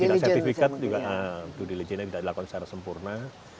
tidak sertifikat juga diligence nya tidak dilakukan secara sempurna